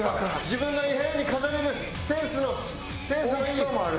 自分の部屋に飾れるセンスのセンスのいい。